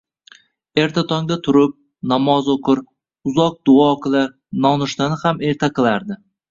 Erta tongda turib, namoz o`qir, uzoq duo qilar, nonushtani ham erta qilardi